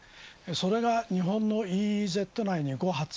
それが日本のＥＥＺ内に５発。